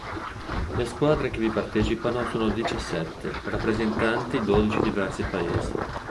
Le squadre che vi partecipano sono diciassette, rappresentanti dodici diversi Paesi.